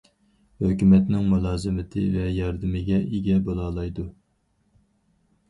ھۆكۈمەتنىڭ مۇلازىمىتى ۋە ياردىمىگە ئىگە بولالايدۇ.